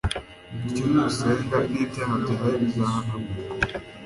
bityo nusenga, n'ibyaha byawe bizahanagurwa